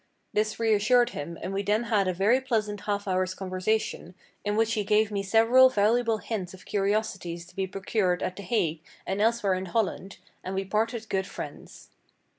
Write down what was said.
This re assured him and we then had a very pleasant half hour's conversation, in which he gave me several valuable hints of curiosities to be procured at the Hague and elsewhere in Holland, and we parted good friends.